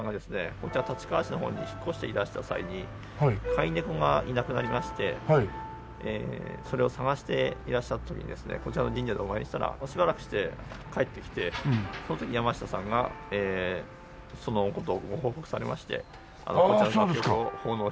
こちら立川市の方に引っ越していらした際に飼い猫がいなくなりましてそれを捜していらっしゃった時にこちらの神社でお参りしたらしばらくして帰ってきてその時に山下さんがその事をご報告されましてこちらの楽曲を奉納して頂いたと。